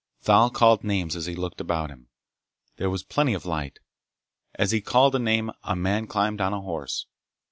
Thal called names as he looked about him. There was plenty of light. As he called a name, a man climbed on a horse.